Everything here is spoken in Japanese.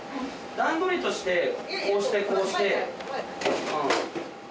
段取りとしてこうしてこうして。